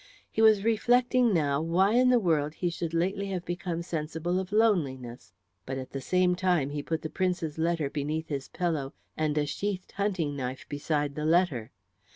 He was reflecting now why in the world he should lately have become sensible of loneliness; but at the same time he put the Prince's letter beneath his pillow and a sheathed hunting knife beside the letter.